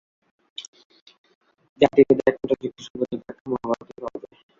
জাতিভেদের একমাত্র যুক্তিসঙ্গত ব্যাখ্যা মহাভারতেই পাওয়া যায়।